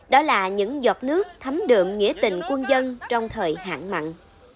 đó là những giọt nước thấm đượm nghĩa tình quân dân trong thời hạn mặn